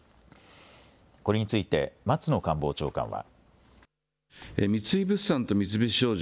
これについて松野官房長官は。